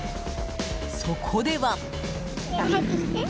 そこでは。